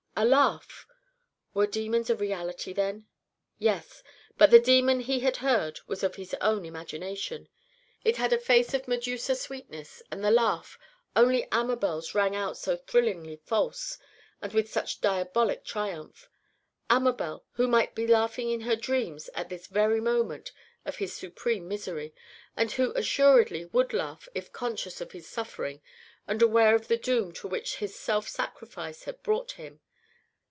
a laugh! Were demons a reality, then? Yes; but the demon he had heard was of his own imagination; it had a face of Medusa sweetness and the laugh Only Amabel's rang out so thrillingly false, and with such diabolic triumph. Amabel, who might be laughing in her dreams at this very moment of his supreme misery, and who assuredly would laugh if conscious of his suffering and aware of the doom to which his self sacrifice had brought him.